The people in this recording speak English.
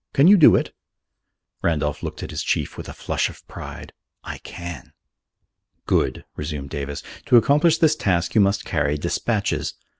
Can you do it?" Randolph looked at his chief with a flush of pride. "I can." "Good!" resumed Davis. "To accomplish this task you must carry despatches.